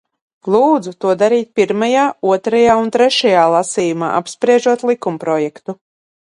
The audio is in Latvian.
Lūdzu to darīt pirmajā, otrajā un trešajā lasījumā, apspriežot likumprojektu.